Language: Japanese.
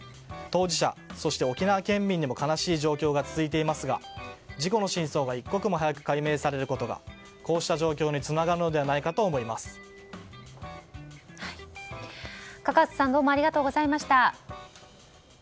当事者、そして沖縄県民にも悲しい状況が続いていますが事故の真相が一刻も早く解明されることがこうした状況に嘉数さんどうもありがとうございました。